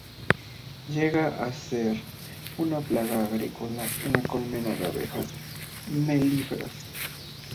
Llega a ser una plaga agrícola en las colmenas de abejas melíferas.